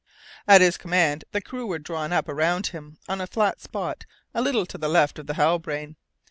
At his command the crew were drawn up around him on a flat spot a little to the left of the Halbrane.